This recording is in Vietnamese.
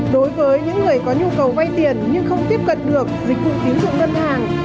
đối với những người có nhu cầu vay tiền nhưng không tiếp cận được dịch vụ tín dụng ngân hàng